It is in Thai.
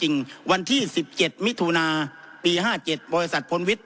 จริงวันที่สิบเจ็ดมิทูนาปีห้าเจ็ดบริษัทพลวิทย์